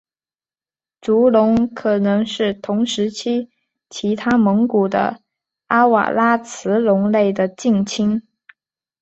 足龙可能是同时期其他蒙古的阿瓦拉慈龙类的近亲。